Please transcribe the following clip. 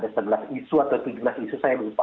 sebelas isu atau tujuh belas isu saya lupa